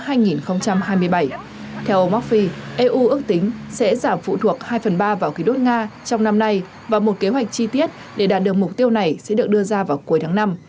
theo ông phi eu ước tính sẽ giảm phụ thuộc hai phần ba vào khí đốt nga trong năm nay và một kế hoạch chi tiết để đạt được mục tiêu này sẽ được đưa ra vào cuối tháng năm